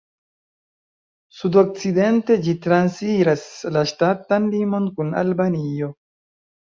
Sudokcidente ĝi transiras la ŝtatan limon kun Albanio.